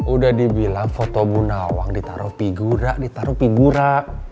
udah dibilang foto bunda wang ditaruh figura ditaruh figura